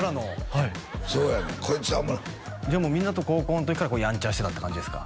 はいそうやねんこいつおもろいじゃあみんなと高校の時からヤンチャしてたって感じですか